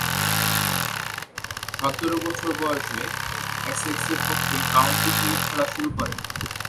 সতেরো বছর বয়সে এসেক্সের পক্ষে কাউন্টি ক্রিকেটে খেলা শুরু করেন।